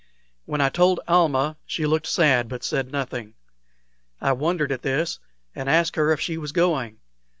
When I told Almah, she looked sad, but said nothing. I wondered at this, and asked her if she was going.